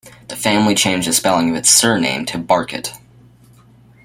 The family changed the spelling of its surname to Barkett.